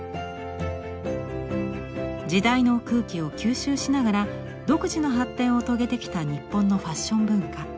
時代の空気を吸収しながら独自の発展を遂げてきた日本のファッション文化。